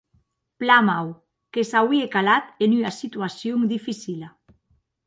Plan mau; que s’auie calat en ua situacion dificila.